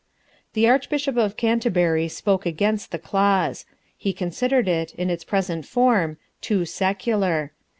The Archbishop of Canterbury spoke against the clause. He considered it, in its present form, too secular.